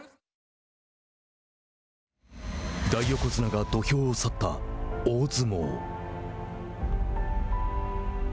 大横綱が土俵を去った大相撲。